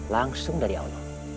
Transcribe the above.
langsung dari allah